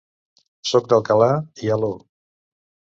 Soc d'Alcalà, i «aló»!